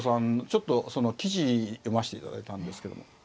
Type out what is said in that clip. ちょっと記事読ましていただいたんですけども。